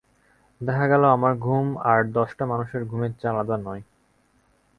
দেখা গেল আমার ঘুম আর দশটা মানুষের ঘুমের চেয়ে আলাদা নয়।